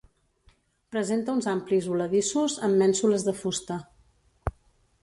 Presenta uns amplis voladissos amb mènsules de fusta.